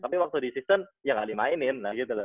tapi waktu di season ya nggak dimainin lah gitu loh